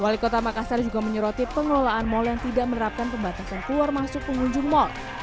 wali kota makassar juga menyeroti pengelolaan mal yang tidak menerapkan pembatasan keluar masuk pengunjung mal